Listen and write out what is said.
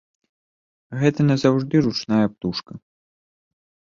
Гэта назаўжды ручная птушка.